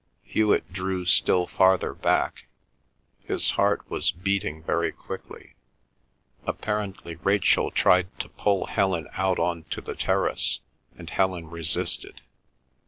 Hewet drew still farther back. His heart was beating very quickly. Apparently Rachel tried to pull Helen out on to the terrace, and Helen resisted.